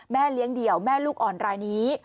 เลี้ยงเดี่ยวแม่ลูกอ่อนรายนี้